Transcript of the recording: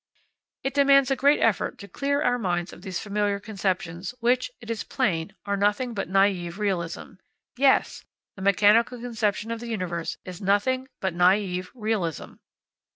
It demands a great effort to clear our minds of these familiar conceptions which, it is plain are nothing but naïve realism. Yes! the mechanical conception of the universe is nothing but naïve realism.